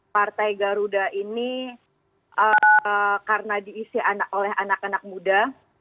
partai garuda ini karena diisi oleh anak anak muda